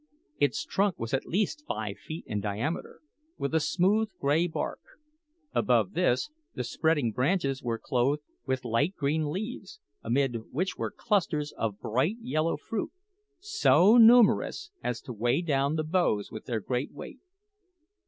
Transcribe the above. Its trunk was at least five feet in diameter, with a smooth, grey bark; above this the spreading branches were clothed with light green leaves, amid which were clusters of bright yellow fruit, so numerous as to weigh down the boughs with their great weight.